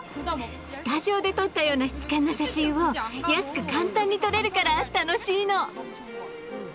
スタジオで撮ったような質感の写真を安く簡単に撮れるから楽しいの！